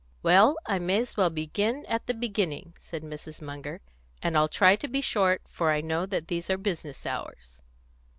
"Well, I may as well begin at the beginning," said Mrs. Munger, "and I'll try to be short, for I know that these are business hours."